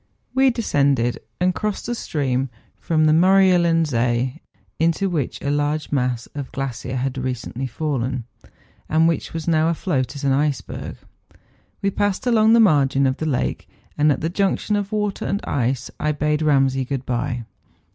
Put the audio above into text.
We descended, and crossed the stream which flows from the iMdrjelen See, into which a large mass of the glacier liad recently fallen, and which was now afloat as an iceberg. We passed along the margin of the lake, and at the junction of water and ice I bade Eamsay good bye.